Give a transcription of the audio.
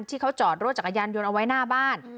ที่เขาจอดรถจักรยานยนต์เอาไว้หน้าบ้าน